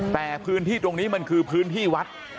แต่พื้นที่ตรงนี้มันคือพื้นที่วัด